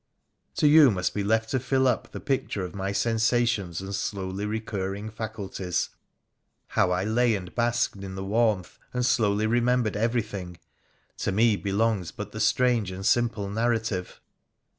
To you must be left to fill up the picture of my sensation3 and slowly recurring faculties. How I lay and basked in the warmth, and slowly remembered everything : to me belongg but the strange and simple narrative.